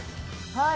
はい！